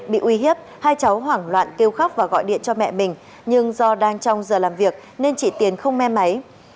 bị uy hiếp hai cháu hoảng loạn kêu khóc và gọi điện cho mẹ mình nhưng do đang trong giờ làm việc nên chị tiền không may máy